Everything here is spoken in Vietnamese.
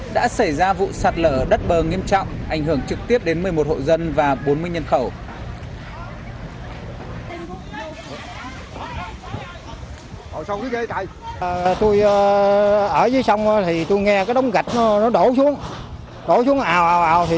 đã xảy ra vụ sạt lở đất bờ nghiêm trọng ảnh hưởng trực tiếp đến một mươi một hộ dân và bốn mươi nhân khẩu